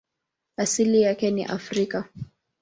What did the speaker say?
Asili yake ni Afrika.